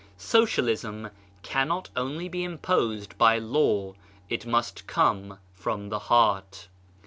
Socialism cannot only be imposed by law, it must come from the heart.